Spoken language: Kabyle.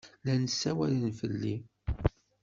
Llan ssawalen fell-i.